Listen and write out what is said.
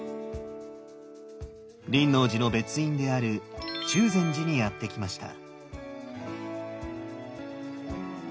輪王寺の別院である中禅寺にやって来ました。